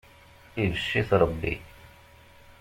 Ibecc-it Ṛebbi.